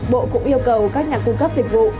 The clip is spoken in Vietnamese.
bộ cũng yêu cầu các nhà cung cấp dịch vụ